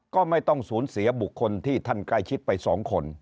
ก็ไม่ต้องสูญเสียบุคคลที่ท่านใกล้ชิดไป๒คน